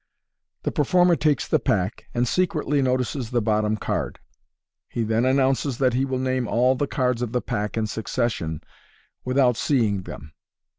The performer takes the pack, and secretly notices the bottom card. He then announces that he will name all the cards of the pack in succession without seeing them.